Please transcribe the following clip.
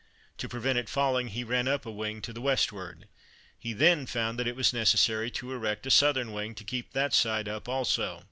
To prevent it falling he ran up a wing to the westward. He then found that it was necessary to erect a southern wing to keep that side up also.